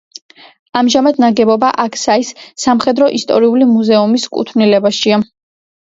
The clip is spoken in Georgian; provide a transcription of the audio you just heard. ამჟამად ნაგებობა აქსაის სამხედრო-ისტორიული მუზეუმის კუთვნილებაშია.